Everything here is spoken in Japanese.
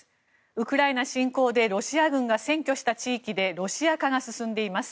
ウクライナ侵攻でロシア軍が占拠した地域でロシア化が進んでいます。